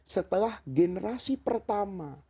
setelah generasi pertama